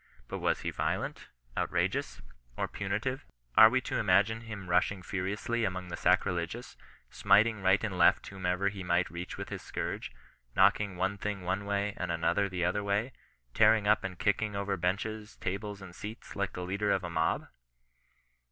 But was he violent, outrageous, or punitive ? Are we to imagine him rushing furiously among the sacrilegious, smiting right and left whomsoever he might reach with his scourge ; knocking one thing one way, and another the other way; tearing up and kicking over benches, tables, and seats, like the leader of a mob